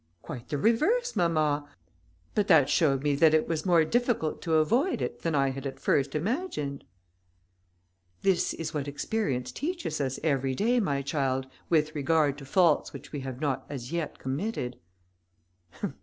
"Quite the reverse, mamma, but that showed me that it was more difficult to avoid it than I had at first imagined." "This is what experience teaches us every day, my child, with regard to faults which we have not as yet committed.